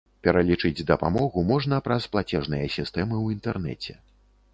Пералічыць дапамогу можна праз плацежныя сістэмы ў інтэрнэце.